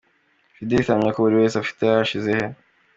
Judith ahamya ko buri wese afite ahashize he.